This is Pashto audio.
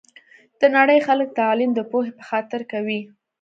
د نړۍ خلګ تعلیم د پوهي په خاطر کوي